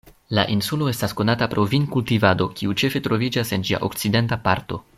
La insulo estas konata pro vinkultivado, kiu ĉefe troviĝas en ĝia okcidenta parto.